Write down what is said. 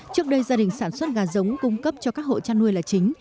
trước đây gia đình sản xuất gà giống cung cấp cho các hộ chăn nuôi là chính